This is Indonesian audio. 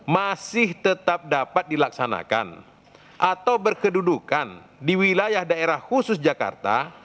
masih tetap dapat dilaksanakan atau berkedudukan di wilayah daerah khusus jakarta